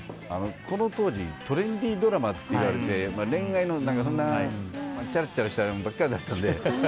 この当時トレンディードラマって言われて恋愛のチャラチャラしたやつばっかりだったので。